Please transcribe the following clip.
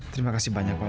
terima kasih banyak pak